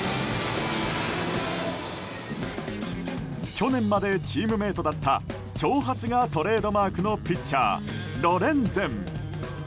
去年までチームメートだった長髪がトレードマークのピッチャー、ロレンゼン。